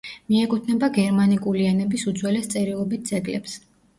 მიეკუთვნება გერმანიკული ენების უძველეს წერილობით ძეგლებს.